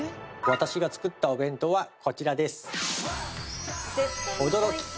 私が作ったお弁当はこちらです